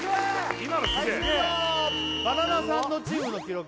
バナナサンドチームの記録